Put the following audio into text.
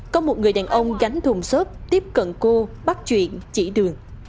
có một người đàn ông gánh thùng xốp tiếp cận cô bắt chuyện chỉ đường